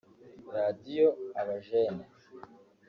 ‘Radiyo Abajene’